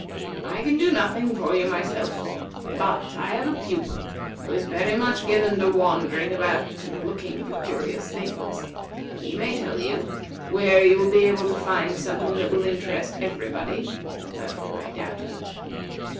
I can do nothing for you myself, but I have a pupil who is very much given to wandering about, and looking for curious things. He may tell you where you will be able to find something that will interest everybody, though I doubt it.